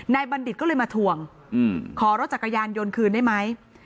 บัณฑิตก็เลยมาทวงขอรถจักรยานยนต์คืนได้ไหม